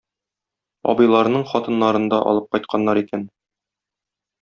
Абыйларының хатыннарын да алып кайтканнар икән.